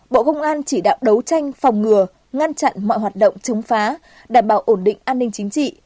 bộ công an chỉ đạo đấu tranh phòng ngừa ngăn chặn mọi hoạt động chống phá đảm bảo ổn định an ninh chính trị